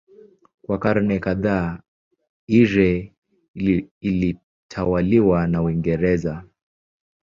Kwa karne kadhaa Eire ilitawaliwa na Uingereza.